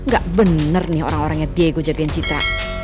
gak bener nih orang orangnya diego jagain cita